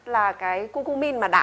là cái cu cu min mà đã